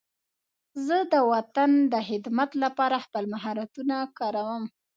زه د وطن د خدمت لپاره خپل مهارتونه کاروم.